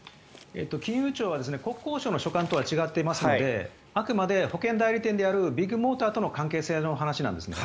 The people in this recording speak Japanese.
金融庁は国交省の所管とは違っていますのであくまで保険代理店であるビッグモーターとの関係性の話なんですね。